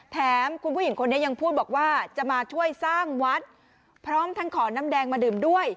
แถมคุณผู้หญิงคนนี้ยังพูดบอกว่าจะมาช่วยสร้างวัดพร้อมทั้งขอน้ำแดงมาดื่มด้วย